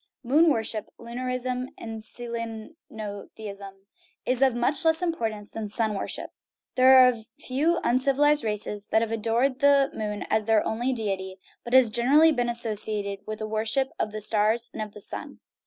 * Moon worship (lunarism and selenotheism) is of much less importance than sun worship. There are a few uncivilized races that have adored the moon as their only deity, but it has generally been associated with a worship of the stars and the sun.